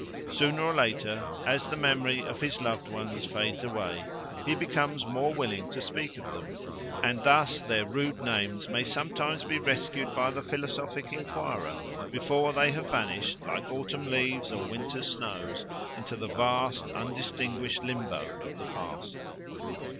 Sooner or later, as the memory of his loved ones fades slowly away, he becomes more willing to speak of them, and thus their rude names may sometimes be rescued by the philosophic enquirer before they have vanished, like autumn leaves or winter snows, into the vast undistinguished limbo of the past.